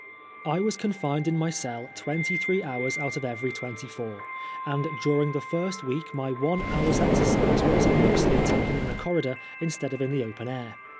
I was confined in my cell twenty three hours out of every twenty four, and during the first week my one hour's exercise was mostly taken in the corridor instead of in the open air.